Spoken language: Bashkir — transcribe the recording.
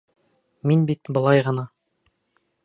Мин бит былай ғына...